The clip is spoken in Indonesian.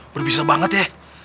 berbisa banget ya